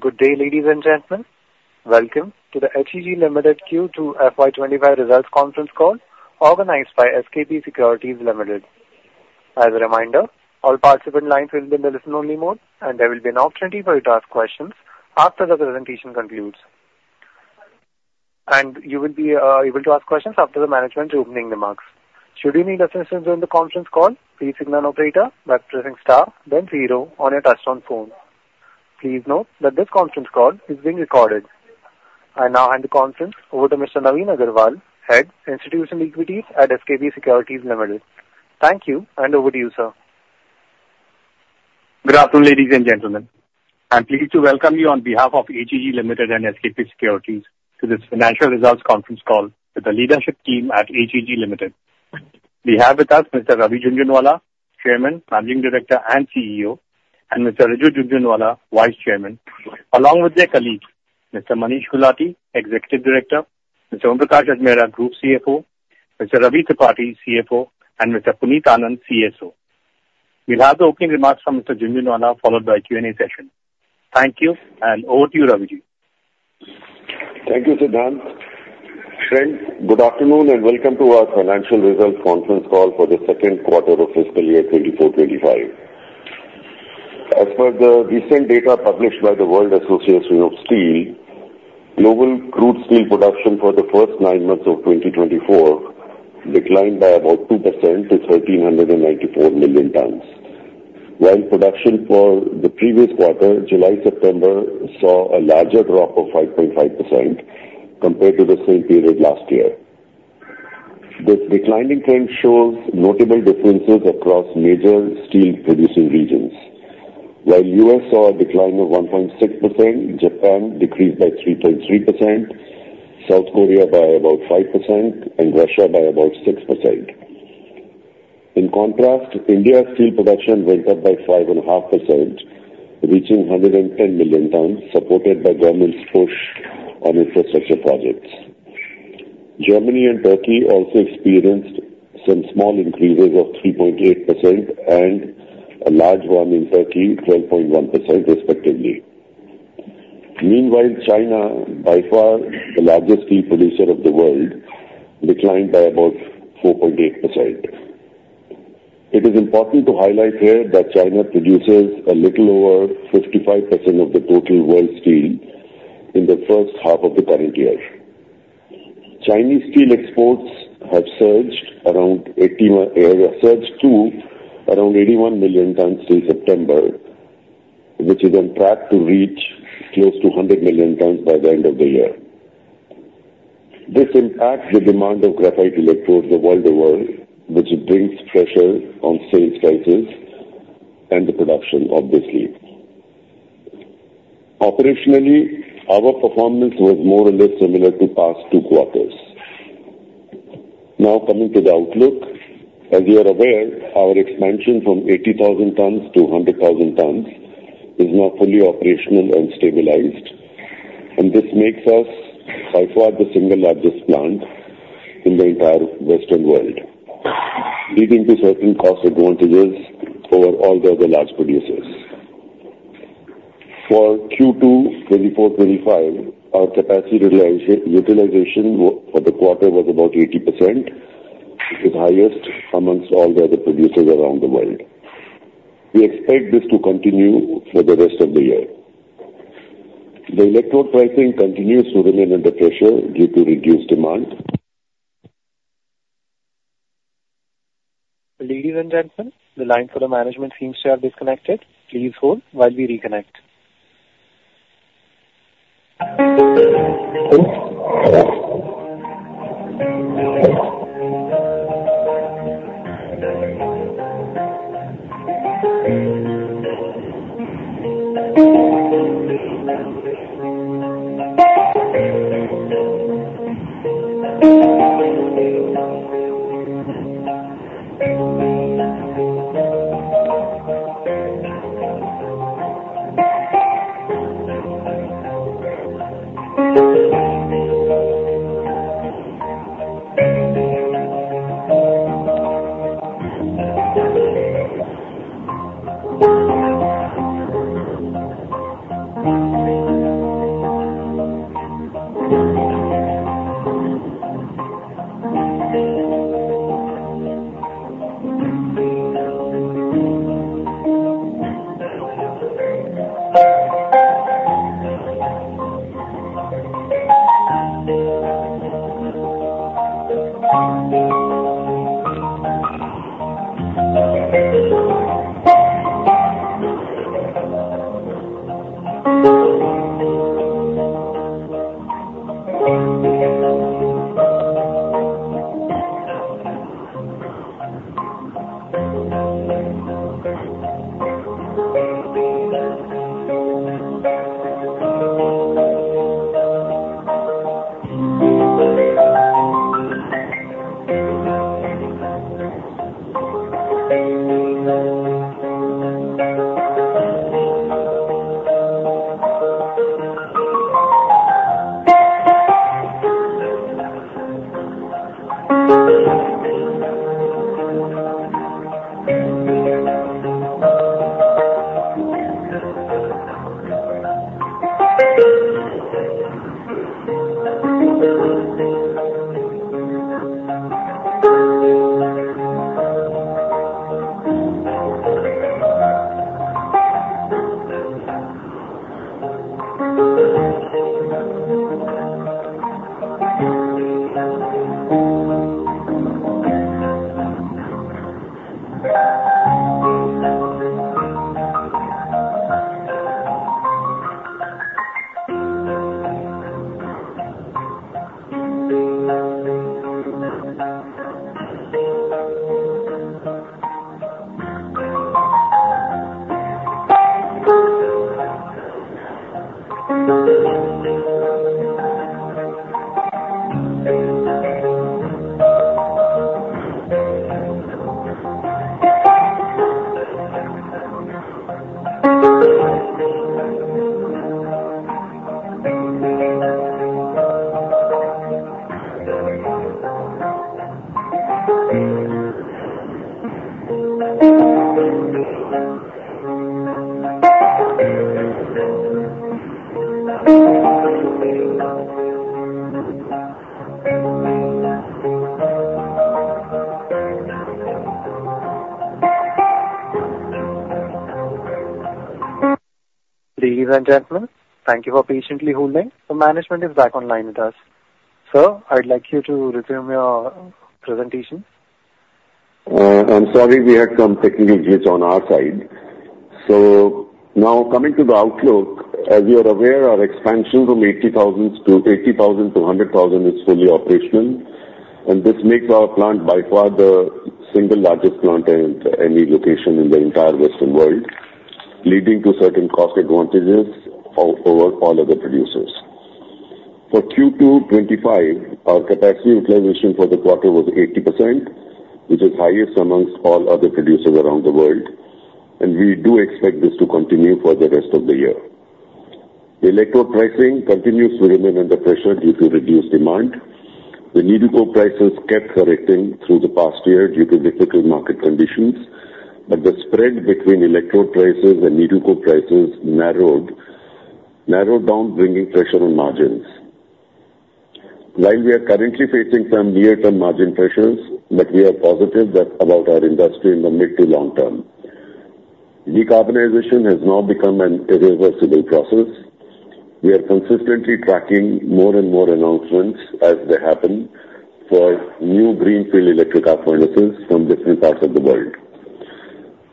Good day, ladies and gentlemen. Welcome to the HEG Limited Q2 FY25 Results Conference Call, organized by SKP Securities Limited. As a reminder, all participant lines will be in the listen-only mode, and there will be an opportunity for you to ask questions after the presentation concludes. You will be able to ask questions after the management is opening the mics. Should you need assistance during the conference call, please signal an operator by pressing STAR, then zero, on your touch-tone phone. Please note that this conference call is being recorded. I now hand the conference over to Mr. Navin Agarwal, Head, Institutional Equities at SKP Securities Limited. Thank you, and over to you, sir. Good afternoon, ladies and gentlemen. I'm pleased to welcome you on behalf of HEG Limited and SKP Securities to this Financial Results Conference Call with the leadership team at HEG Limited. We have with us Mr. Ravi Jhunjhunwala, Chairman, Managing Director, and CEO, and Mr. Riju Jhunjhunwala, Vice Chairman, along with their colleagues, Mr. Manish Gulati, Executive Director, Mr. Om Prakash Ajmera, Group CFO, Mr. Ravi Tripathi, CFO, and Mr. Puneet Anand, CSO. We'll have the opening remarks from Mr. Jhunjhunwala followed by a Q&A session. Thank you, and over to you, Ravi. Thank you, Siddhan. Friends, good afternoon, and welcome to our Financial Results Conference Call for the second quarter of fiscal year 24-25. As per the recent data published by the World Steel Association, global crude steel production for the first nine months of 2024 declined by about 2% to 1,394 million tons, while production for the previous quarter, July-September, saw a larger drop of 5.5% compared to the same period last year. This declining trend shows notable differences across major steel-producing regions. While the U.S. saw a decline of 1.6%, Japan decreased by 3.3%, South Korea by about 5%, and Russia by about 6%. In contrast, India's steel production went up by 5.5%, reaching 110 million tons, supported by government's push on infrastructure projects. Germany and Turkey also experienced some small increases of 3.8% and a large one in Turkey, 12.1%, respectively. Meanwhile, China, by far the largest steel producer of the world, declined by about 4.8%. It is important to highlight here that China produces a little over 55% of the total world steel in the first half of the current year. Chinese steel exports have surged to around 81 million tons since September, which is on track to reach close to 100 million tons by the end of the year. This impacts the demand of graphite electrodes worldwide, which brings pressure on sales prices and the production, obviously. Operationally, our performance was more or less similar to past two quarters. Now, coming to the outlook, as you are aware, our expansion from 80,000 tons to 100,000 tons is now fully operational and stabilized, and this makes us, by far, the single largest plant in the entire Western world, leading to certain cost advantages over all the other large producers. For Q2 2024-2025, our capacity utilization for the quarter was about 80%, the highest among all the other producers around the world. We expect this to continue for the rest of the year. The electrode pricing continues to remain under pressure due to reduced demand. Ladies and gentlemen, the line for the management seems to have disconnected. Please hold while we reconnect. Ladies and gentlemen, for patiently holding. The management is back on line with us. Sir, I'd like you to resume your presentation. I'm sorry, we had some technical glitch on our side. So now, coming to the outlook, as you are aware, our expansion from 80,000 to 100,000 is fully operational, and this makes our plant by far the single largest plant at any location in the entire Western world, leading to certain cost advantages over all other producers. For Q2 2025, our capacity utilization for the quarter was 80%, which is the highest among all other producers around the world, and we do expect this to continue for the rest of the year. Electrode pricing continues to remain under pressure due to reduced demand. The needle coke prices kept correcting through the past year due to difficult market conditions, but the spread between electrode prices and needle coke prices narrowed down, bringing pressure on margins. While we are currently facing some near-term margin pressures, we are positive about our industry in the mid to long term. Decarbonization has now become an irreversible process. We are consistently tracking more and more announcements as they happen for new greenfield electric arc furnaces from different parts of the world.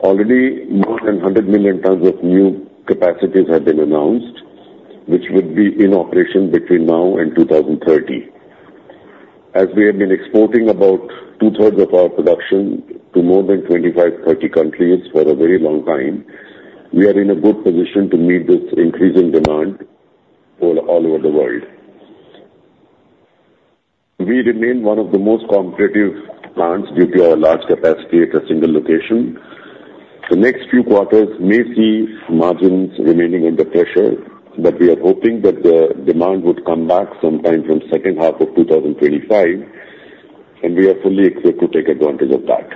Already, more than 100 million tons of new capacities have been announced, which would be in operation between now and 2030. As we have been exporting about two-thirds of our production to more than 25-30 countries for a very long time, we are in a good position to meet this increasing demand all over the world. We remain one of the most competitive plants due to our large capacity at a single location. The next few quarters may see margins remaining under pressure, but we are hoping that the demand would come back sometime from the second half of 2025, and we are fully equipped to take advantage of that.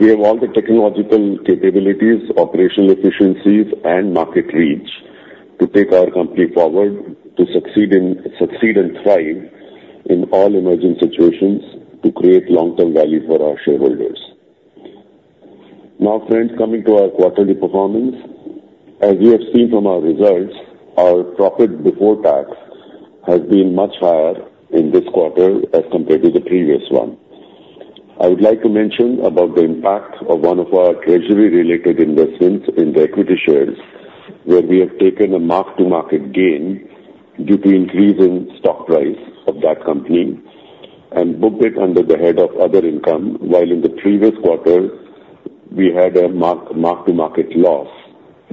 We have all the technological capabilities, operational efficiencies, and market reach to take our company forward, to succeed and thrive in all emerging situations, to create long-term value for our shareholders. Now, friends, coming to our quarterly performance, as you have seen from our results, our profit before tax has been much higher in this quarter as compared to the previous one. I would like to mention the impact of one of our treasury-related investments in the equity shares, where we have taken a mark-to-market gain due to the increase in stock price of that company and booked it under the head of other income, while in the previous quarter, we had a mark-to-market loss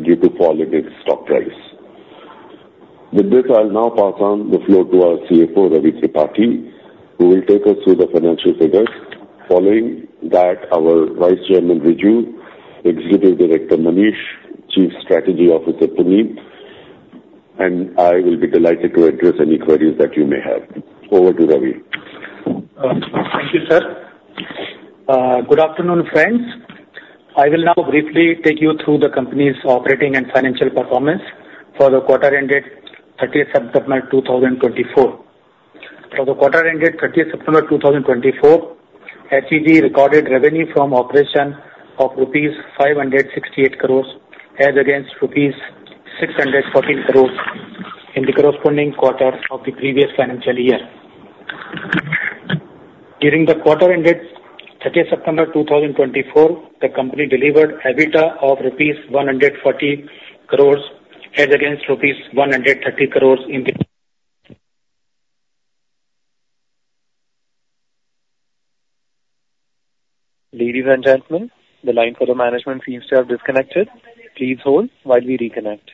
due to fall in its stock price. With this, I'll now pass on the floor to our CFO, Ravi Tripathi, who will take us through the financial figures. Following that, our Vice Chairman, Riju, Executive Director, Manish, Chief Strategy Officer, Puneet, and I will be delighted to address any queries that you may have. Over to Ravi. Thank you, sir. Good afternoon, friends. I will now briefly take you through the company's operating and financial performance for the quarter-ended 30th September 2024. For the quarter-ended 30th September 2024, HEG recorded revenue from operations of rupees 568 crores as against rupees 614 crores in the corresponding quarter of the previous financial year. During the quarter-ended 30th September 2024, the company delivered EBITDA of rupees 140 crores as against rupees 130 crores in the. Ladies and gentlemen, the line for the management seems to have disconnected. Please hold while we reconnect.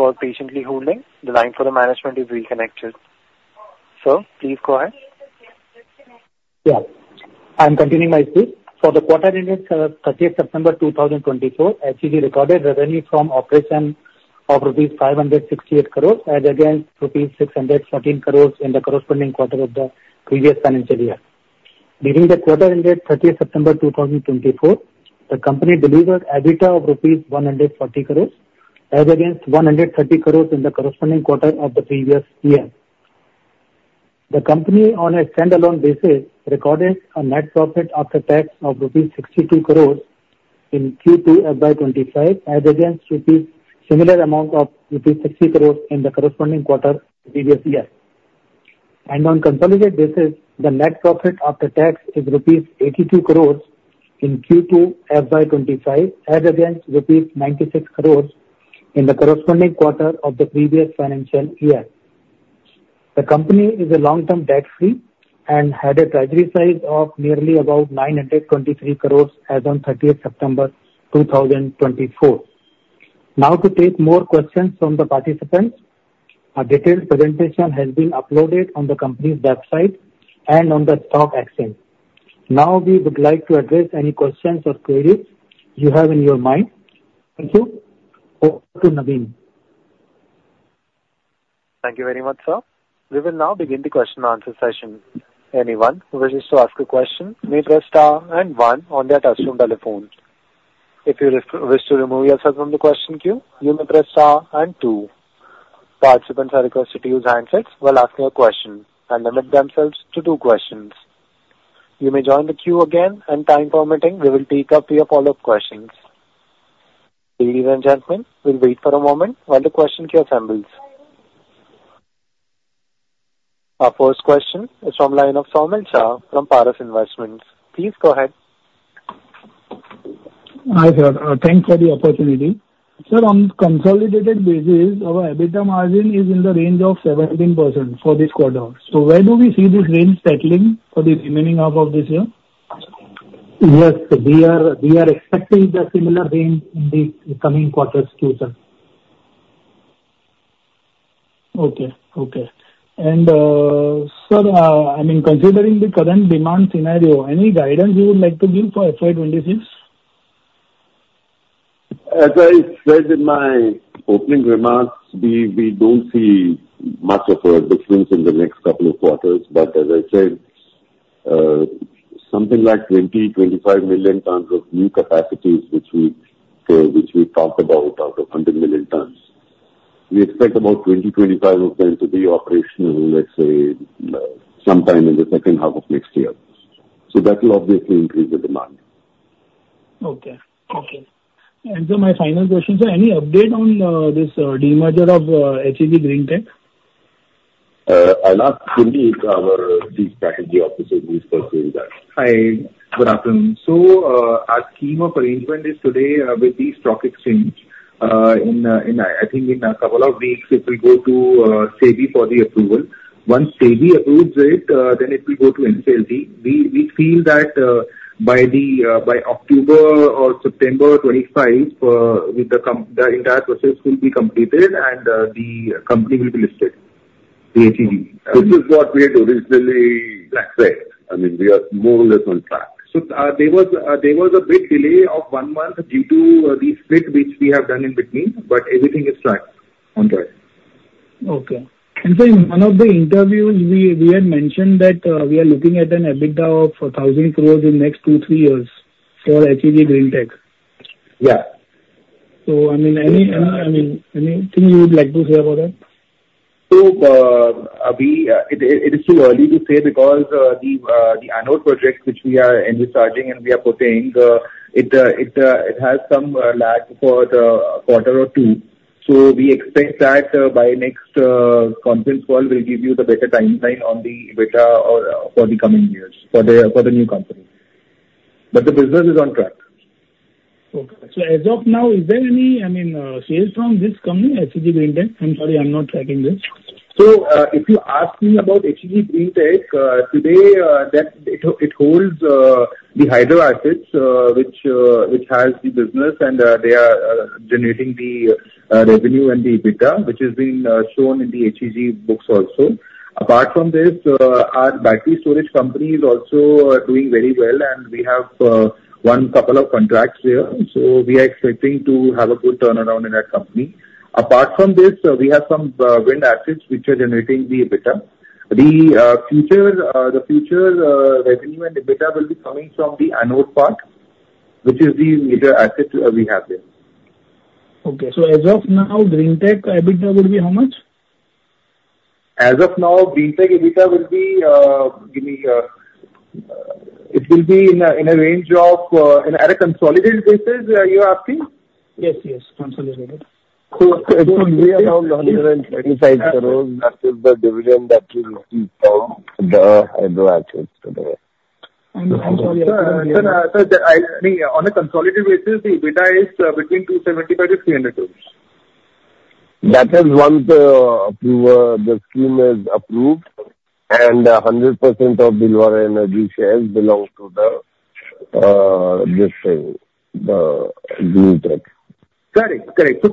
Ladies and gentlemen, thank you for patiently holding. The line for the management is reconnected. Sir, please go ahead. Yeah. I'm continuing my speech. For the quarter-ended 30th September 2024, HEG recorded revenue from operation of rupees 568 crores as against rupees 614 crores in the corresponding quarter of the previous financial year. During the quarter-ended 30th September 2024, the company delivered EBITDA of rupees 140 crores as against 130 crores in the corresponding quarter of the previous year. The company, on a standalone basis, recorded a net profit after tax of rupees 62 crores in Q2 FY25 as against Rs. Similar amount of rupees 60 crores in the corresponding quarter of the previous year. And on a consolidated basis, the net profit after tax is INR 82 crores in Q2 FY25 as against INR 96 crores in the corresponding quarter of the previous financial year. The company is a long-term debt-free and had a treasury size of nearly about 923 crores as of 30th September 2024. Now, to take more questions from the participants, a detailed presentation has been uploaded on the company's website and on the stock exchange. Now, we would like to address any questions or queries you have in your mind. Thank you. Over to Navin. Thank you very much, sir. We will now begin the question-and-answer session. Anyone who wishes to ask a question may press star and one on their touch-tone telephone. If you wish to remove yourself from the question queue, you may press star and two. Participants are requested to use handsets while asking a question and limit themselves to two questions. You may join the queue again, and time permitting, we will take up your follow-up questions. Ladies and gentlemen, we'll wait for a moment while the question queue assembles. Our first question is from the line of Saumil, sir, from Paras Investments. Please go ahead. Hi, sir. Thanks for the opportunity. Sir, on a consolidated basis, our EBITDA margin is in the range of 17% for this quarter. So where do we see this range settling for the remaining half of this year? Yes, we are expecting the similar range in the coming quarters too, sir. And, sir, I mean, considering the current demand scenario, any guidance you would like to give for FY26? As I said in my opening remarks, we don't see much of a difference in the next couple of quarters. But as I said, something like 20-25 million tons of new capacities, which we talked about out of 100 million tons. We expect about 20-25 of them to be operational, let's say, sometime in the second half of next year. So that will obviously increase the demand. Okay. Okay. And sir, my final question, sir, any update on this demerger of HEG GreenTech? I'll ask Puneet, our Chief Strategy Officer, who is pursuing that. Hi, good afternoon. Our scheme of arrangement is today with the stock exchange. I think in a couple of weeks, it will go to SEBI for the approval. Once SEBI approves it, then it will go to NCLT. We feel that by October or September 2025, the entire process will be completed, and the company will be listed, the HEG. This is what we had originally said. I mean, we are more or less on track. So there was a bit of a delay of one month due to the split which we have done in between, but everything is back on track. Okay. And sir, in one of the interviews, we had mentioned that we are looking at an EBITDA of 1,000 crores in the next two, three years for HEG GreenTech. Yeah. I mean, anything you would like to say about that? So, Abhi, it is too early to say because the annual project which we are envisaging and we are pursuing, it has some lag for a quarter or two. So we expect that by next conference call, we'll give you the better timeline on the EBITDA for the coming years for the new company. But the business is on track. Okay. So as of now, is there any, I mean, sales from this company, HEG GreenTech? I'm sorry, I'm not tracking this. So if you ask me about HEG GreenTech, today, it holds the hydro assets, which has the business, and they are generating the revenue and the EBITDA, which has been shown in the HEG books also. Apart from this, our battery storage company is also doing very well, and we have won a couple of contracts here. So we are expecting to have a good turnaround in that company. Apart from this, we have some wind assets which are generating the EBITDA. The future revenue and EBITDA will be coming from the anode part, which is the major asset we have here. Okay, so as of now, GreenTech EBITDA would be how much? As of now, GreenTech EBITDA will be in a range of at a consolidated basis, you're asking? Yes, yes. Consolidated. It will be around INR 125 crores. That is the dividend that we received from the hydro assets today. And consolidated. I mean, on a consolidated basis, the EBITDA is between 275-300 crores. That is, once the scheme is approved, and 100% of Dilwara Energy shares belong to this thing, the GreenTech. Correct. Correct. So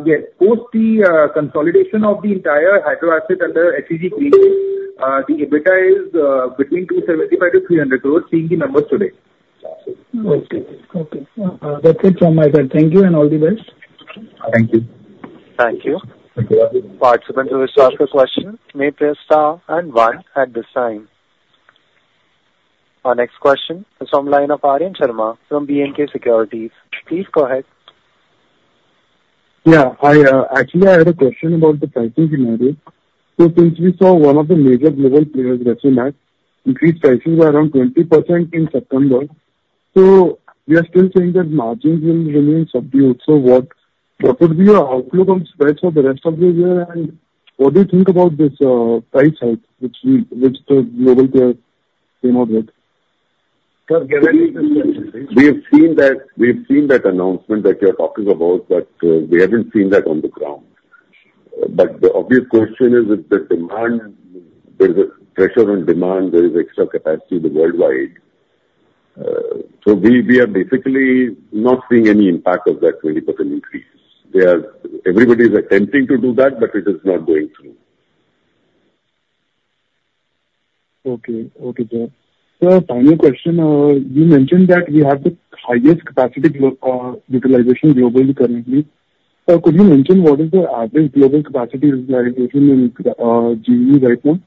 again, post the consolidation of the entire hydro asset under HEG GreenTech, the EBITDA is between 275-300 crores, seeing the numbers today. Okay. Okay. That's it from my side. Thank you and all the best. Thank you. Thank you. Participants who wish to ask a question may press star and one at this time. Our next question is from the line of Aryan Sharma from BNK Securities. Please go ahead. Yeah. Hi, actually, I had a question about the pricing scenario. So since we saw one of the major global players retroactive increase prices by around 20% in September, so we are still seeing that margins will remain subdued. So what would be your outlook on spreads for the rest of the year? And what do you think about this price hike which the global players came out with? Sir, we have seen that announcement that you're talking about, but we haven't seen that on the ground. The obvious question is, is the demand? There's a pressure on demand. There is extra capacity worldwide. So we are basically not seeing any impact of that 20% increase. Everybody is attempting to do that, but it is not going through. Okay, sir. Sir, final question. You mentioned that we have the highest capacity utilization globally currently. Could you mention what is the average global capacity utilization in GE right now?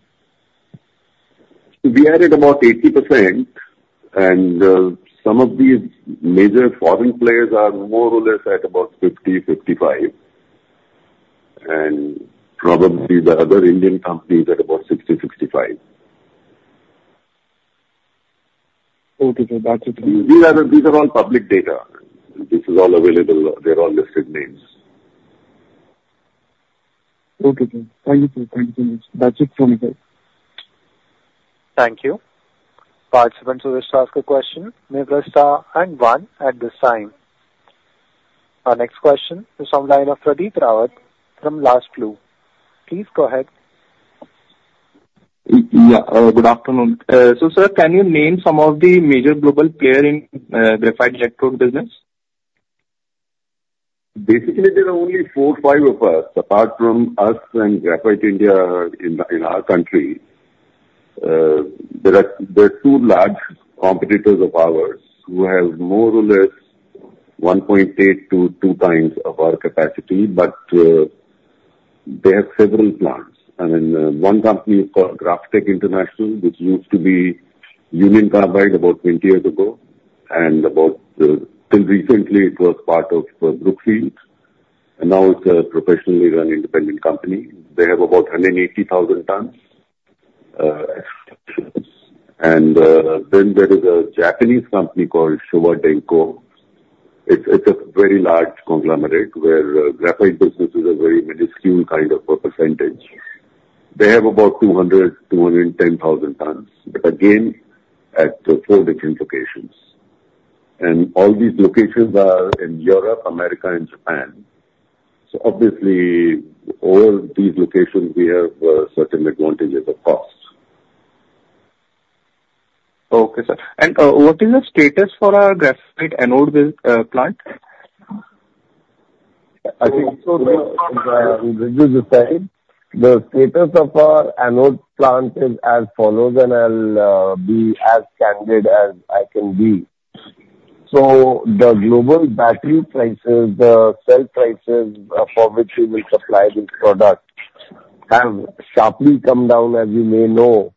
We are at about 80%, and some of these major foreign players are more or less at about 50%-55%, and probably the other Indian companies at about 60%-65%. Okay, sir. That's it. These are all public data. This is all available. They're all listed names. Okay, sir. Thank you, sir. Thank you so much. That's it from me, sir. Thank you. Participants who wish to ask a question may press star and one at this time. Our next question is from the line of Pradeep Rawat from Last Flu. Please go ahead. Yeah. Good afternoon. So, sir, can you name some of the major global players in graphite electrode business? Basically, there are only four, five of us. Apart from us and Graphite India in our country, there are two large competitors of ours who have more or less 1.8-2 times of our capacity, but they have several plants. I mean, one company is called GrafTech International, which used to be Union Carbide about 20 years ago. And until recently, it was part of Brookfield, and now it's a professionally run independent company. They have about 180,000 tons. And then there is a Japanese company called Showa Denko. It's a very large conglomerate where graphite businesses are a very minuscule kind of percentage. They have about 200,000-210,000 tons, but again, at four different locations. And all these locations are in Europe, America, and Japan. So obviously, all these locations, we have certain advantages of cost. Okay, sir. And what is the status for our graphite anode plant? I think so, sir. I'll reduce the second. The status of our anode plant is as follows, and I'll be as candid as I can be. So the global battery prices, the cell prices for which we will supply this product have sharply come down, as you may know,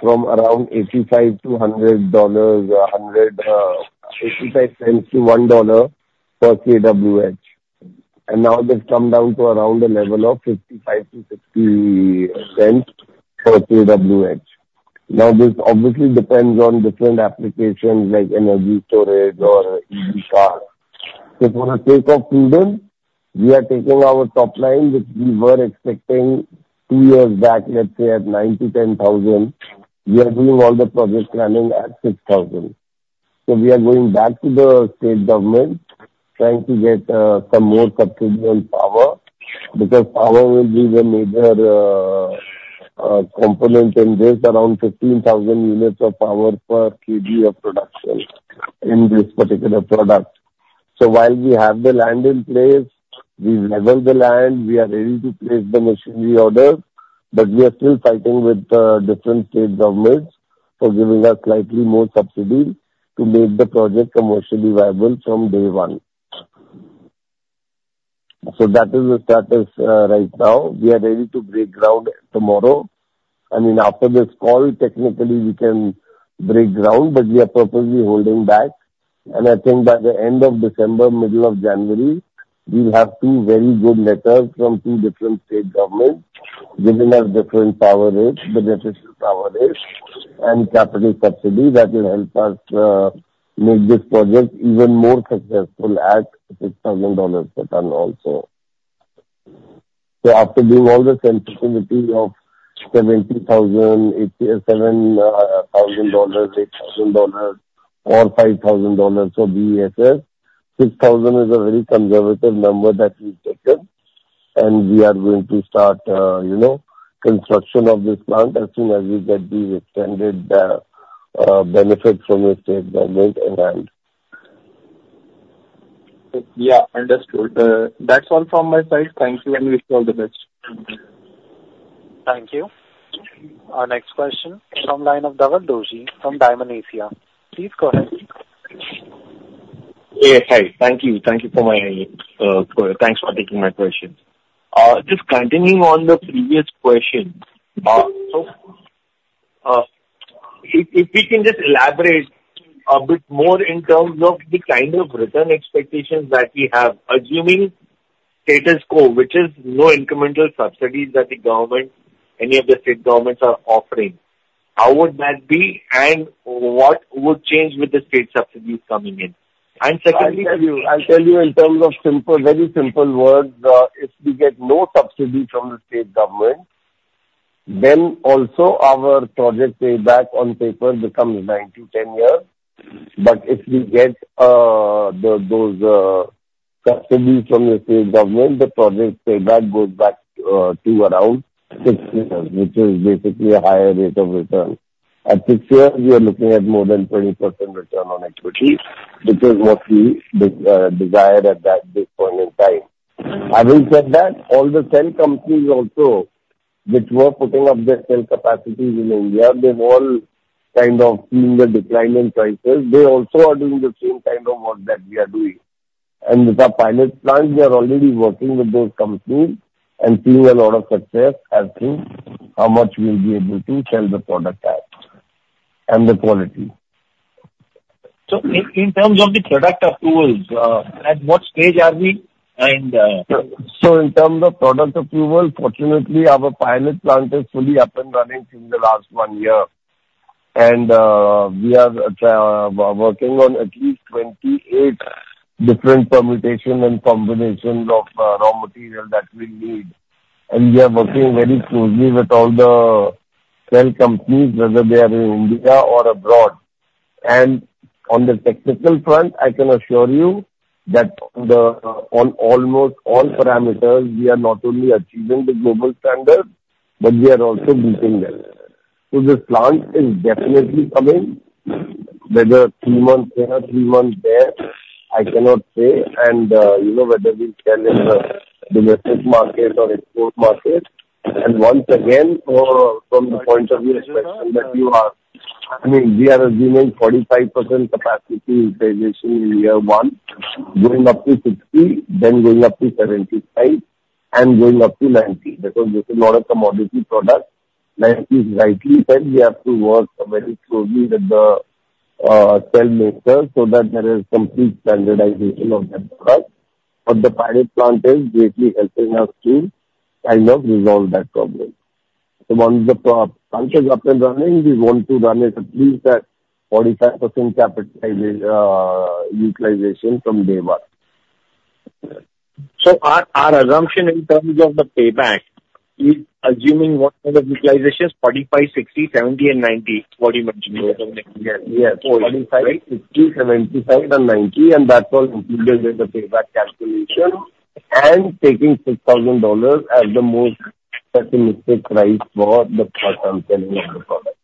from around $0.85-$1.00 per kWh. And now they've come down to around the level of $0.55-$0.60 per kWh. Now, this obviously depends on different applications like energy storage or EV cars. So for the sake of prudence, we are taking our top line, which we were expecting two years back, let's say at 9-10 thousand. We are doing all the project planning at 6,000. So we are going back to the state government trying to get some more subsidy on power because power will be the major component in this. Around 15,000 units of power per kWh of production in this particular product. So while we have the land in place, we've leveled the land. We are ready to place the machinery orders, but we are still fighting with different state governments for giving us slightly more subsidy to make the project commercially viable from day one. So that is the status right now. We are ready to break ground tomorrow. I mean, after this call, technically, we can break ground, but we are purposely holding back. I think by the end of December, middle of January, we'll have two very good letters from two different state governments giving us different power rates, beneficial power rates, and capital subsidy that will help us make this project even more successful at $6,000 per ton also. After being all this sensitivity of $70,000, $8,000, $8,000, or $5,000 for BESS, $6,000 is a very conservative number that we've taken. We are going to start construction of this plant as soon as we get the extended benefit from the state government in hand. Yeah. Understood. That's all from my side. Thank you, and wish you all the best. Thank you. Our next question is from the line of Dhaval Doshi from Diamond Asia. Please go ahead. Yes. Hi. Thank you. Thanks for taking my question. Just continuing on the previous question, if we can just elaborate a bit more in terms of the kind of return expectations that we have, assuming status quo, which is no incremental subsidies that the government, any of the state governments, are offering, how would that be? And what would change with the state subsidies coming in? And secondly. I'll tell you in terms of very simple words, if we get no subsidy from the state government, then also our project payback on paper becomes 9-10 years, but if we get those subsidies from the state government, the project payback goes back to around 6 years, which is basically a higher rate of return. At 6 years, we are looking at more than 20% return on equity, which is mostly desired at this point in time. Having said that, all the cell companies also which were putting up their cell capacities in India, they've all kind of seen the decline in prices. They also are doing the same kind of work that we are doing. With our pilot plants, we are already working with those companies and seeing a lot of success as to how much we'll be able to sell the product at and the quality. So in terms of the product approvals, at what stage are we? So in terms of product approval, fortunately, our pilot plant is fully up and running since the last one year. And we are working on at least 28 different permutations and combinations of raw material that we need. And we are working very closely with all the cell companies, whether they are in India or abroad. And on the technical front, I can assure you that on almost all parameters, we are not only achieving the global standards, but we are also meeting them. So this plant is definitely coming, whether three months here, three months there, I cannot say. And whether we sell in the domestic market or export market. Once again, from the point of view of the question that you asked, I mean, we are assuming 45% capacity utilization in year one, going up to 60%, then going up to 75%, and going up to 90% because this is not a commodity product. Like you rightly said, we have to work very closely with the cell makers so that there is complete standardization of that product. But the pilot plant is greatly helping us to kind of resolve that problem. So once the plant is up and running, we want to run it at least at 45% utilization from day one. So, our assumption in terms of the payback is assuming what kind of utilization is 45, 60, 70, and 90, 40, 45, 60, 75, and 90, and that's all included in the payback calculation and taking $6,000 as the most pessimistic price for the cost of selling of the product.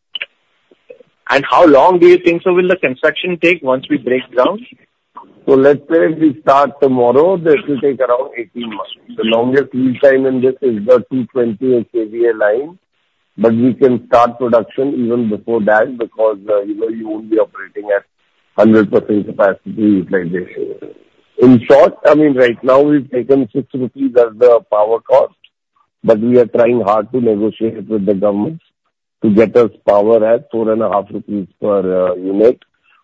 And how long do you think so will the construction take once we break ground? So let's say if we start tomorrow, this will take around 18 months. The longest lead time in this is the 220 kVA line, but we can start production even before that because you won't be operating at 100% capacity utilization. In short, I mean, right now, we've taken 6 rupees as the power cost, but we are trying hard to negotiate with the governments to get us power at 4.5 rupees per unit.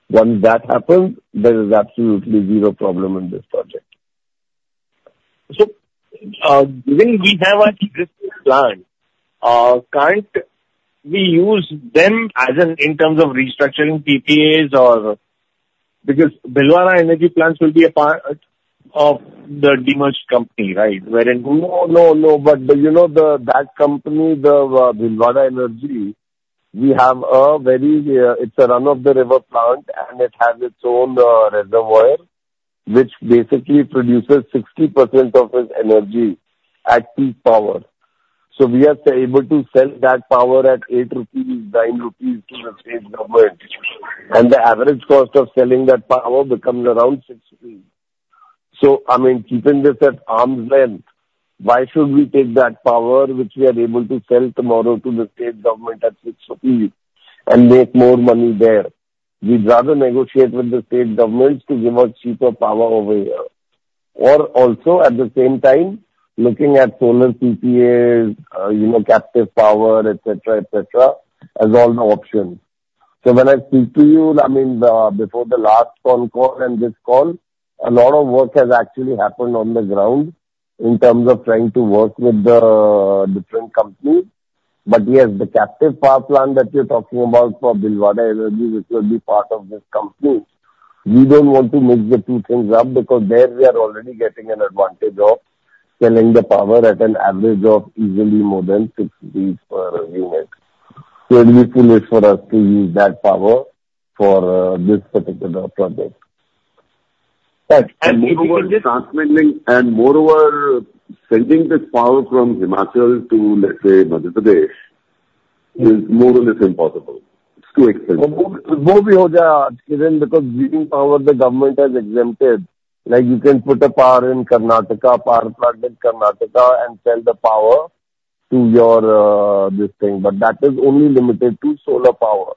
Once that happens, there is absolutely zero problem in this project. So given we have an existing plant, can't we use them in terms of restructuring PPAs or because Dilwara Energy plants will be a part of the demerger company, right? Where in. No, no, no. But you know that company, the Dilwara Energy, we have a very it's a run-of-the-river plant, and it has its own reservoir, which basically produces 60% of its energy at peak power. So we are able to sell that power at 8 rupees, 9 rupees to the state government. And the average cost of selling that power becomes around 6 rupees. So I mean, keeping this at arm's length, why should we take that power, which we are able to sell tomorrow to the state government at 6 rupees, and make more money there? We'd rather negotiate with the state governments to give us cheaper power over here. Or also, at the same time, looking at solar PPAs, captive power, etc., etc., as all the options. So when I speak to you, I mean, before the last phone call and this call, a lot of work has actually happened on the ground in terms of trying to work with the different companies. But yes, the captive power plant that you're talking about for Dilwara Energy, which will be part of this company, we don't want to mix the two things up because there we are already getting an advantage of selling the power at an average of easily more than 6 rupees per unit. So it will be foolish for us to use that power for this particular project. If we can. And moreover, sending this power from Himachal to, let's say, Madhya Pradesh is more or less impossible. It's too expensive. What we hope isn't because green power, the government has exempted. You can put a power in Karnataka, power plant in Karnataka, and sell the power to your this thing. But that is only limited to solar power.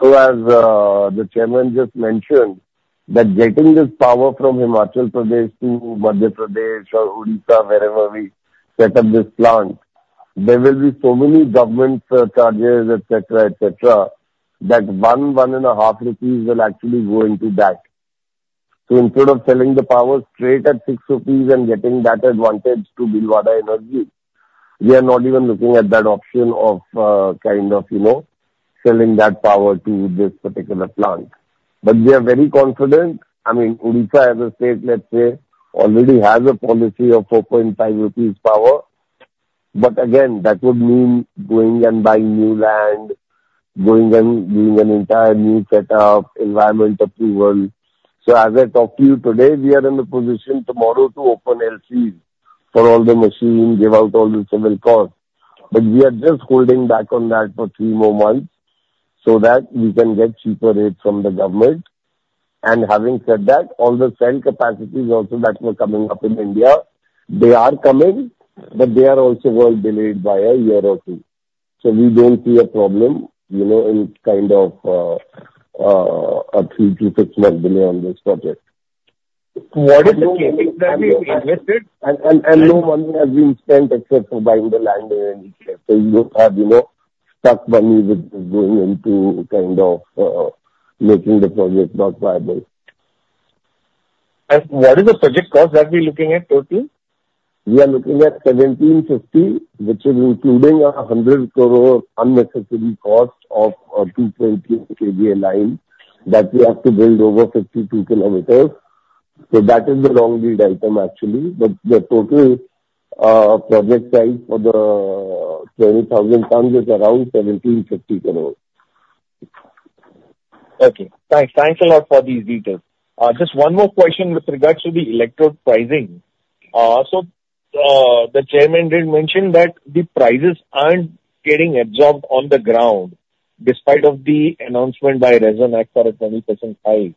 So as the chairman just mentioned, that getting this power from Himachal Pradesh to Madhya Pradesh or Odisha, wherever we set up this plant, there will be so many government charges, etc., etc., that 1, 1.5 rupees will actually go into that. So instead of selling the power straight at 6 rupees and getting that advantage to Dilwara Energy, we are not even looking at that option of kind of selling that power to this particular plant. But we are very confident. I mean, Odisha as a state, let's say, already has a policy of 4.5 rupees power. But again, that would mean going and buying new land, going and doing an entire new setup, environmental approval. So as I talked to you today, we are in the position tomorrow to open LCs for all the machines, give out all the civil costs. But we are just holding back on that for three more months so that we can get cheaper rates from the government. And having said that, all the cell capacities also that were coming up in India, they are coming, but they are also well delayed by a year or two. So we don't see a problem in kind of a three- to six-month delay on this project. What is the cost exactly? No money has been spent except for buying the land, in any case. You don't have stuck money which is going into kind of making the project not viable. What is the project cost that we're looking at total? We are looking at 1,750, which is including a 100 unnecessary cost of a 220 HEVA line that we have to build over 52 km. So that is the long lead item, actually. But the total project size for the 20,000 tons is around INR 1,750. Okay. Thanks. Thanks a lot for these details. Just one more question with regards to the electrode pricing. So the chairman did mention that the prices aren't getting absorbed on the ground despite the announcement by RESNAC for a 20% hike.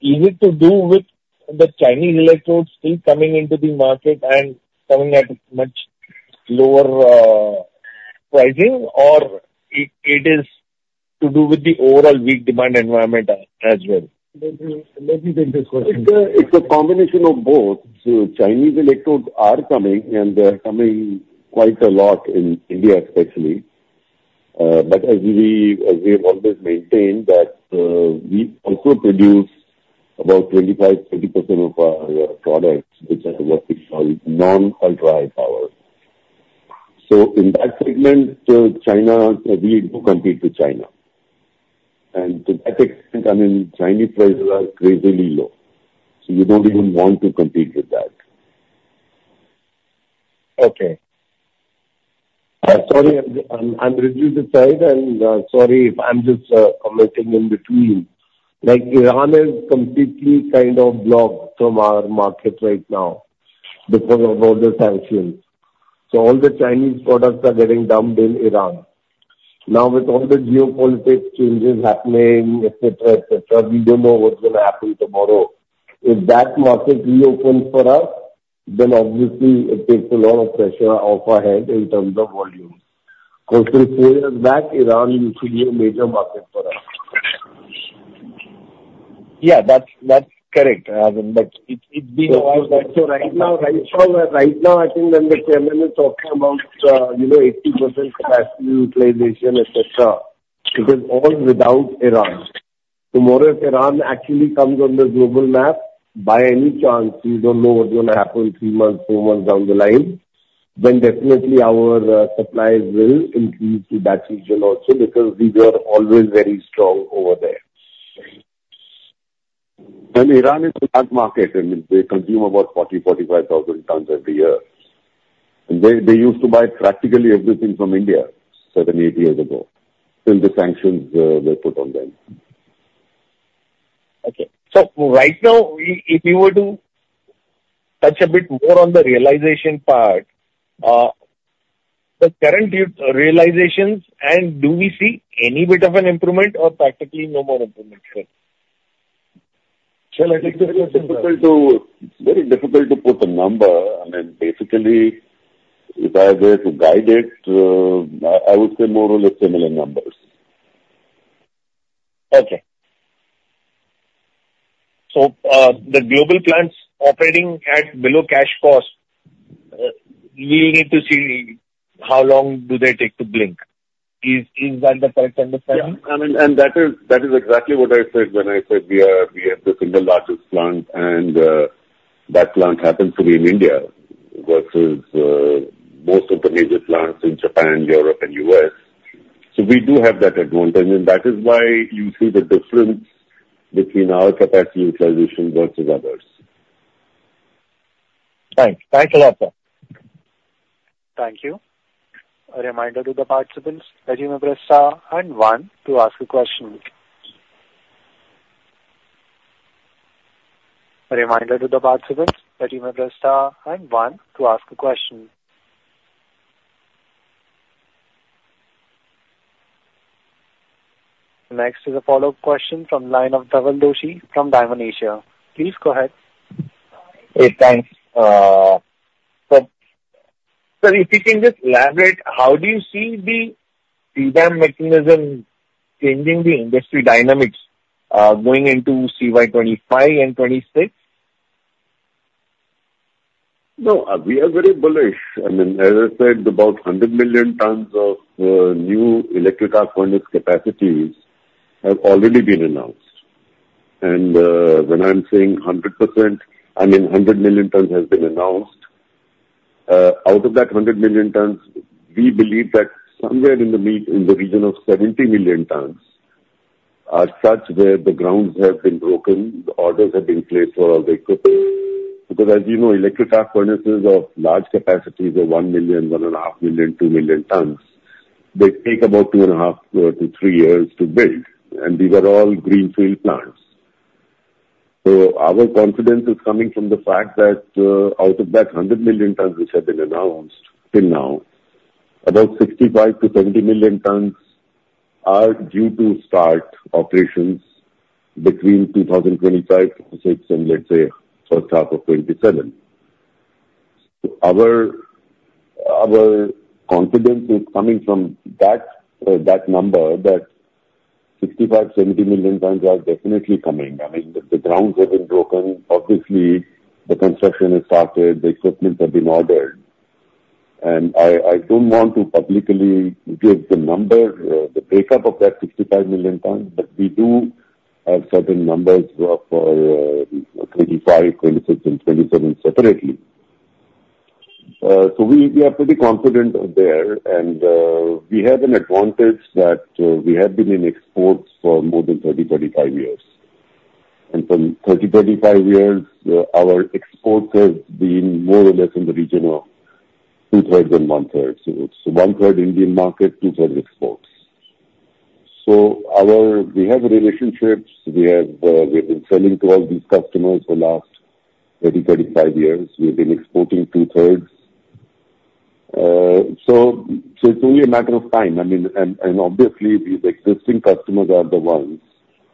Is it to do with the Chinese electrodes still coming into the market and coming at much lower pricing, or it is to do with the overall weak demand environment as well? Let me take this question. It's a combination of both, so Chinese electrodes are coming, and they're coming quite a lot in India, especially, but as we have always maintained that we also produce about 25%-30% of our products, which are what we call non-ultra-high power, so in that segment, we compete with China, and to that extent, I mean, Chinese prices are crazily low, so you don't even want to compete with that. Okay. Sorry, I'm reading the slide, and sorry if I'm just commenting in between. Iran is completely kind of blocked from our market right now because of all the sanctions. So all the Chinese products are getting dumped in Iran. Now, with all the geopolitical changes happening, etc., etc., we don't know what's going to happen tomorrow. If that market reopens for us, then obviously it takes a lot of pressure off our heads in terms of volume. Closer to four years back, Iran used to be a major market for us. Yeah, that's correct. But it's been a while back. So right now, I think when the chairman is talking about 80% capacity utilization, etc., it is all without Iran. Tomorrow, if Iran actually comes on the global map, by any chance, we don't know what's going to happen three months, four months down the line, then definitely our supplies will increase to that region also because we were always very strong over there. And Iran is a large market. I mean, they consume about 40,000-45,000 tons every year. They used to buy practically everything from India 7-8 years ago until the sanctions were put on them. Okay. So right now, if you were to touch a bit more on the realization part, the current realizations, and do we see any bit of an improvement or practically no more improvement? I think this is very difficult to put a number. I mean, basically, if I were to guide it, I would say more or less similar numbers. Okay. So the global plants operating at below cash cost, we'll need to see how long do they take to blink. Is that the correct understanding? Yeah. I mean, and that is exactly what I said when I said we have the single largest plant, and that plant happens to be in India versus most of the major plants in Japan, Europe, and U.S. So we do have that advantage, and that is why you see the difference between our capacity utilization versus others. Thanks. Thanks a lot, sir. Thank you. A reminder to the participants that you may press star and one to ask a question. Next is a follow-up question from the line of Dhaval Doshi from Diamond Asia. Please go ahead. Hey, thanks. So if you can just elaborate, how do you see the CBAM mechanism changing the industry dynamics going into CY 2025 and 2026? No. We are very bullish. I mean, as I said, about 100 million tons of new electric arc furnace capacities have already been announced. And when I'm saying 100 million, I mean, 100 million tons has been announced. Out of that 100 million tons, we believe that somewhere in the region of 70 million tons are such where the grounds have been broken, the orders have been placed for all the equipment. Because as you know, electric arc furnaces of large capacities of 1 million, 1.5 million, 2 million tons, they take about two and a half to three years to build. And these are all greenfield plants. So our confidence is coming from the fact that out of that 100 million tons which have been announced till now, about 65-70 million tons are due to start operations between 2025, 2026, and let's say first half of 2027. So our confidence is coming from that number that 65-70 million tons are definitely coming. I mean, the grounds have been broken. Obviously, the construction has started. The equipment has been ordered. And I don't want to publicly give the number, the breakup of that 65 million tons, but we do have certain numbers for 2025, 2026, and 2027 separately. So we are pretty confident there. And we have an advantage that we have been in exports for more than 30-35 years. And for 30-35 years, our exports have been more or less in the region of two-thirds and one-thirds. So one-third Indian market, two-thirds exports. So we have relationships. We have been selling to all these customers for the last 30-35 years. We've been exporting two-thirds. So it's only a matter of time. I mean, and obviously, these existing customers are the ones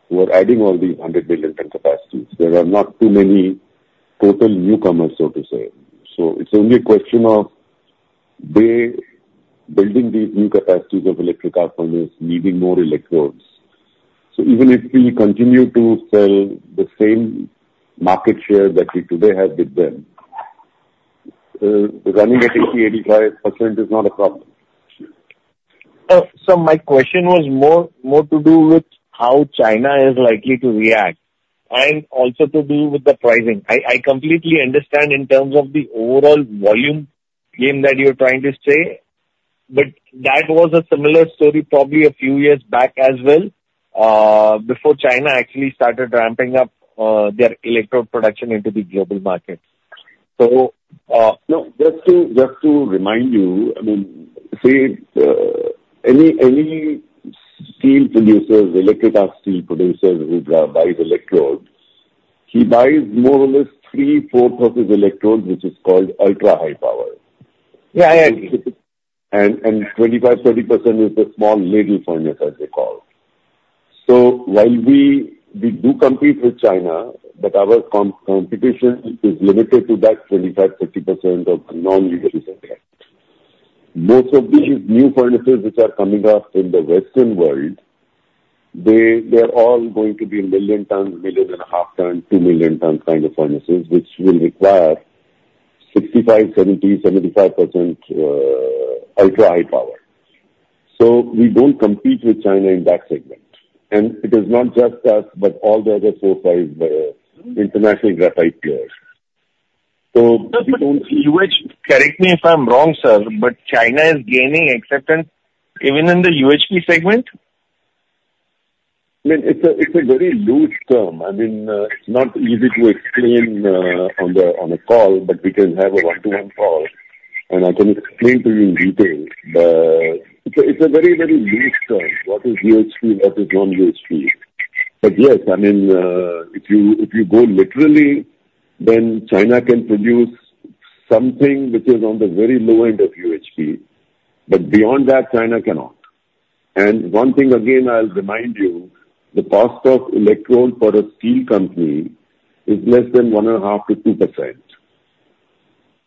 who are adding all these 100 million ton capacities. There are not too many total newcomers, so to say. So it's only a question of building these new capacities of electric arc furnaces, needing more electrodes. So even if we continue to sell the same market share that we today have with them, running at 80%-85% is not a problem. So, my question was more to do with how China is likely to react and also to do with the pricing. I completely understand in terms of the overall volume game that you're trying to say, but that was a similar story probably a few years back as well before China actually started ramping up their electrode production into the global market. So. No, just to remind you, I mean, say any steel producer, electric arc steel producer who buys electrodes, he buys more or less three-fourths of his electrodes, which is called Ultra-High Power. Yeah, I agree. And 25%-30% is the small ladle furnace, as they call. So while we do compete with China, but our competition is limited to that 25%-30% of non-electrode producers. Most of these new furnaces which are coming up in the Western world, they are all going to be a million tons, million and a half tons, two million tons kind of furnaces, which will require 65%, 70%, 75% ultra-high power. So we don't compete with China in that segment. And it is not just us, but all the other four, five international graphite players. So we don't. Correct me if I'm wrong, sir, but China is gaining acceptance even in the UHP segment? I mean, it's a very loose term. I mean, it's not easy to explain on a call, but we can have a one-to-one call, and I can explain to you in detail. It's a very, very loose term. What is UHP? What is non-UHP? But yes, I mean, if you go literally, then China can produce something which is on the very low end of UHP. But beyond that, China cannot. And one thing, again, I'll remind you, the cost of electrode for a steel company is less than 1.5%-2%.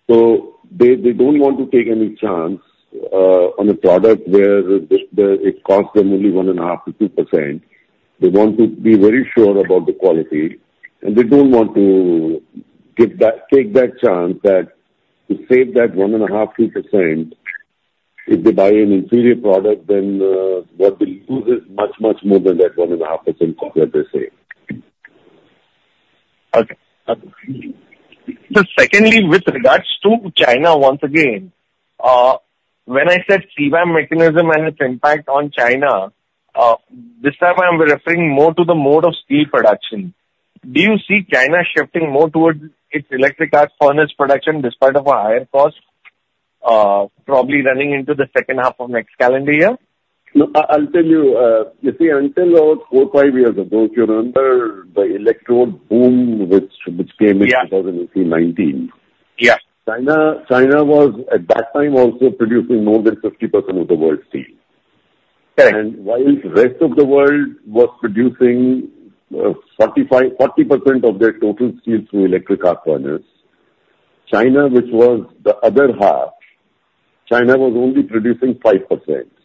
So they don't want to take any chance on a product where it costs them only 1.5%-2%. They want to be very sure about the quality. They don't want to take that chance that to save that 1.5%-2%, if they buy an inferior product, then what they lose is much, much more than that 1.5% profit they save. Okay. So secondly, with regards to China once again, when I said CBAM mechanism and its impact on China, this time I'm referring more to the mode of steel production. Do you see China shifting more towards its electric arc furnace production despite of a higher cost, probably running into the second half of next calendar year? I'll tell you, you see, until about four, five years ago, if you remember the electrode boom which came in 2019, China was at that time also producing more than 50% of the world's steel. Correct. While the rest of the world was producing 40% of their total steel through electric arc furnaces, China, which was the other half, China was only producing 5%.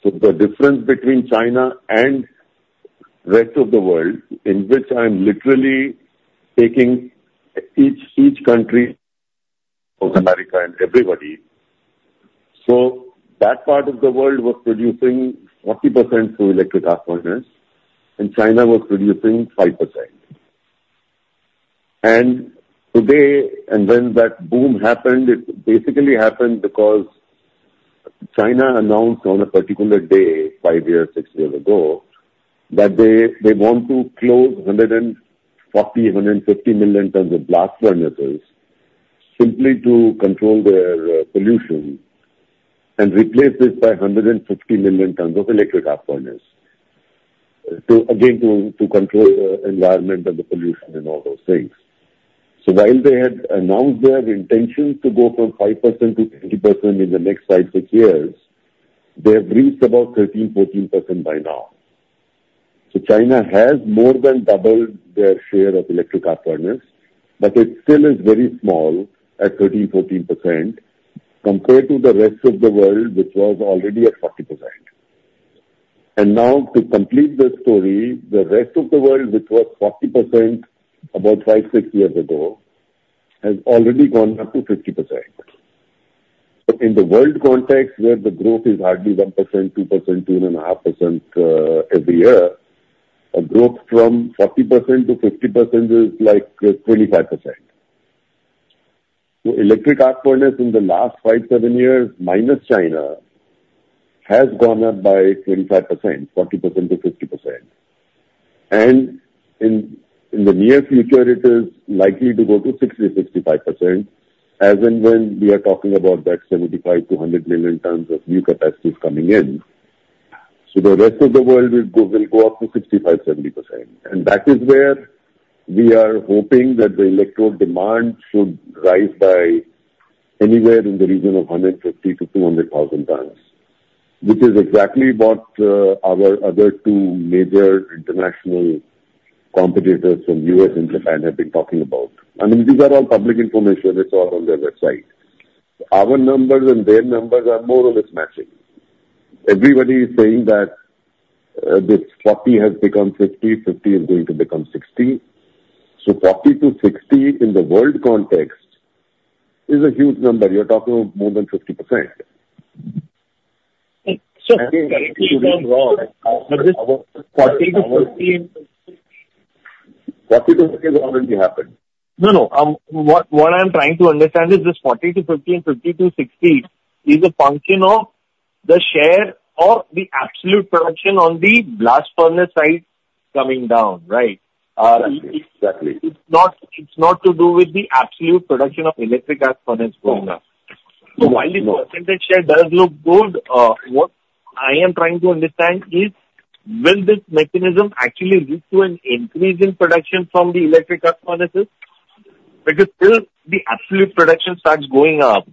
So the difference between China and the rest of the world, in which I'm literally taking each country outside America and everybody, so that part of the world was producing 40% through electric arc furnaces, and China was producing 5%. Today, when that boom happened, it basically happened because China announced on a particular day, five years, six years ago, that they want to close 140-150 million tons of blast furnaces simply to control their pollution and replace this by 150 million tons of electric arc furnaces, again, to control the environment and the pollution and all those things. While they had announced their intention to go from 5% to 20% in the next five, six years, they have reached about 13%-14% by now. China has more than doubled their share of electric arc furnaces, but it still is very small at 13%-14% compared to the rest of the world, which was already at 40%. Now, to complete the story, the rest of the world, which was 40% about five, six years ago, has already gone up to 50%. In the world context, where the growth is hardly 1%, 2%, 2.5% every year, a growth from 40% to 50% is like 25%. Electric arc furnaces in the last five, seven years, minus China, have gone up by 25%, 40% to 50%. In the near future, it is likely to go to 60-65%, as and when we are talking about that 75-100 million tons of new capacities coming in. So the rest of the world will go up to 65-70%. That is where we are hoping that the electrode demand should rise by anywhere in the region of 150,000-200,000 tons, which is exactly what our other two major international competitors from the U.S. and Japan have been talking about. I mean, these are all public information. It's all on their website. Our numbers and their numbers are more or less matching. Everybody is saying that the 40 has become 50. 50 is going to become 60. So 40-60 in the world context is a huge number. You're talking about more than 50%. So, correct me if I'm wrong, but this 40 to 50. 40 to 50 has already happened. No, no. What I'm trying to understand is this 40-50 and 50-60 is a function of the share of the absolute production on the blast furnace side coming down, right? Exactly. It's not to do with the absolute production of electric arc furnaces going up, so while this percentage share does look good, what I am trying to understand is, will this mechanism actually lead to an increase in production from the electric arc furnaces? Because still, the absolute production starts going up.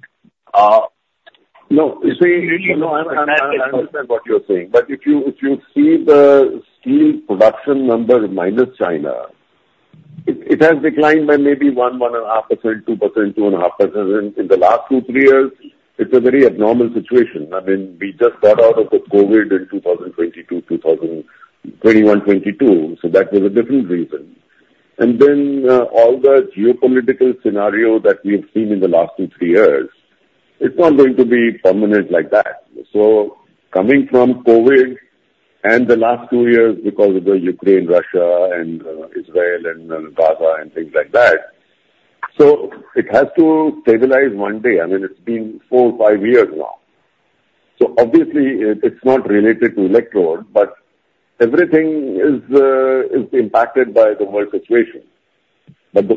No, you see, I understand what you're saying. But if you see the steel production number minus China, it has declined by maybe one, 1.5%, two%, 2.5% in the last two, three years. It's a very abnormal situation. I mean, we just got out of the COVID in 2022, 2021, 2022. So that was a different reason. And then all the geopolitical scenario that we have seen in the last two, three years, it's not going to be permanent like that. So coming from COVID and the last two years because of the Ukraine, Russia, and Israel, and Gaza, and things like that, so it has to stabilize one day. I mean, it's been four, five years now. So obviously, it's not related to electrode, but everything is impacted by the world situation. But the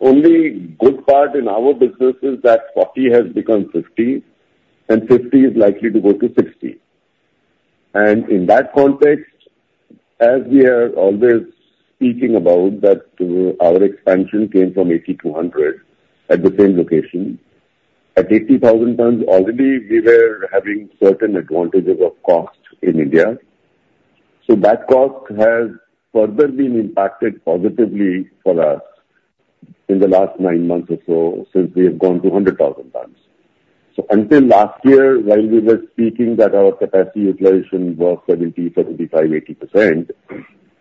only good part in our business is that 40 has become 50, and 50 is likely to go to 60. And in that context, as we are always speaking about that our expansion came from 80, 200 at the same location, at 80,000 tons, already we were having certain advantages of cost in India. So that cost has further been impacted positively for us in the last nine months or so since we have gone to 100,000 tons. So until last year, while we were speaking that our capacity utilization was 70%, 75%, 80%,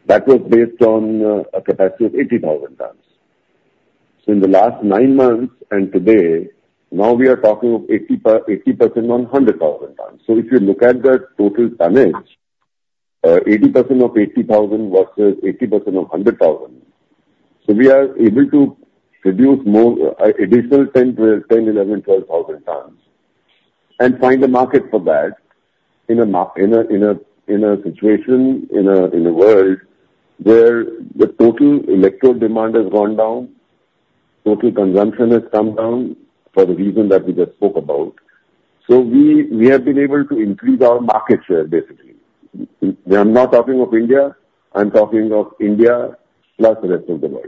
that was based on a capacity of 80,000 tons. So in the last nine months and today, now we are talking of 80% on 100,000 tons. So if you look at the total tonnage, 80% of 80,000 versus 80% of 100,000, so we are able to produce more additional 10, 11, 12,000 tons and find a market for that in a situation in the world where the total electrode demand has gone down, total consumption has come down for the reason that we just spoke about. So we have been able to increase our market share, basically. I'm not talking of India. I'm talking of India plus the rest of the world.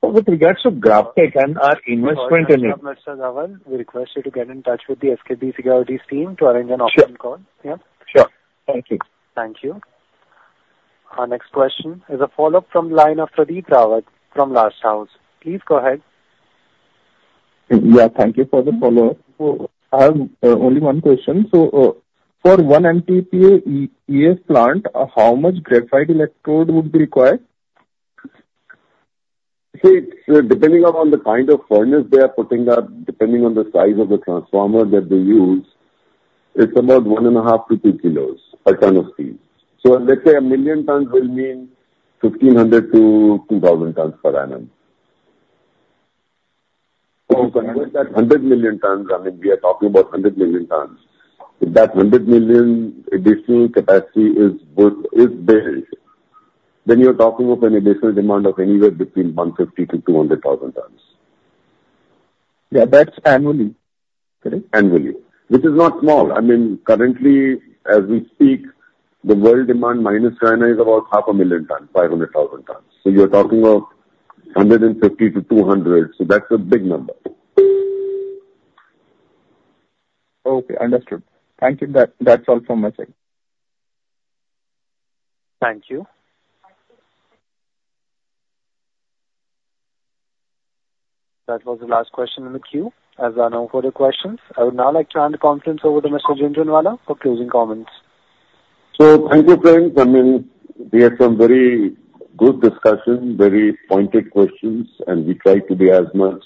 Okay. So with regards to GraphTech and our investment in it. Mr. Ramasagavan, we request you to get in touch with the SKP Securities team to arrange an option call. Sure. Thank you. Thank you. Our next question is a follow-up from the line of Pradeep Rawat from Last House. Please go ahead. Yeah, thank you for the follow-up. I have only one question. So for one MTPA EAF plant, how much graphite electrode would be required? See, depending upon the kind of furnace they are putting up, depending on the size of the transformer that they use, it's about 1.5-2 kilos per ton of steel. So let's say a million tons will mean 1,500-2,000 tons per annum. So you convert that 100 million tons, I mean, we are talking about 100 million tons. If that 100 million additional capacity is built, then you're talking of an additional demand of anywhere between 150-200,000 tons. Yeah, that's annually, correct? Annually, which is not small. I mean, currently, as we speak, the world demand minus China is about 500,000 tons, 500,000 tons. So you're talking of 150-200. So that's a big number. Okay, understood. Thank you. That's all from my side. Thank you. That was the last question in the queue. As I know for the questions, I would now like to hand the conference over to Mr. Jhunjhunwala for closing comments. So thank you, friends. I mean, we had some very good discussion, very pointed questions, and we tried to be as much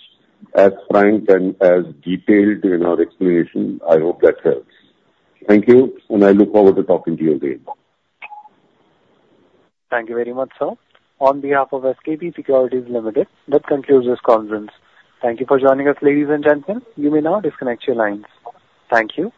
as frank and as detailed in our explanation. I hope that helps. Thank you, and I look forward to talking to you again. Thank you very much, sir. On behalf of SKP Securities Limited, that concludes this conference. Thank you for joining us, ladies and gentlemen. You may now disconnect your lines. Thank you.